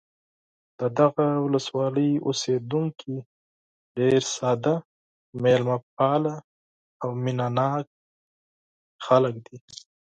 د دغه ولسوالۍ اوسېدونکي ډېر ساده، مېلمه پال او مینه ناک خلک دي.